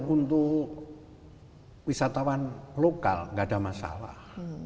kalau untuk wisatawan lokal gak ada masalah